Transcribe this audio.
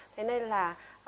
thế nên là